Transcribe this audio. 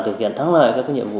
thực hiện thắng lợi các nhiệm vụ